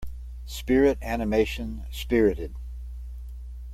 Spirit animation Spirited.